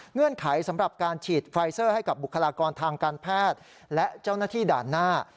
ไขสำหรับการฉีดไฟเซอร์ให้กับบุคลากรทางการแพทย์และเจ้าหน้าที่ด่านหน้า